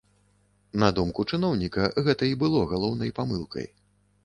На думку чыноўніка, гэта і было галоўнай памылкай.